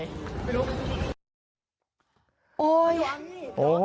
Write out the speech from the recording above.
ไม่รู้